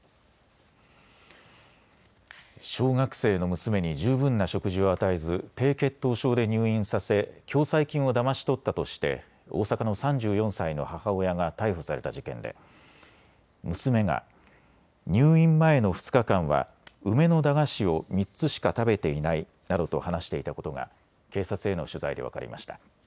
小学生の娘に十分な食事を与えず低血糖症で入院させ、共済金をだまし取ったとして大阪の３４歳の母親が逮捕された事件で娘が入院前の２日間は梅の駄菓子を３つしか食べていないなどと話していたことが警察への取材で分かりました。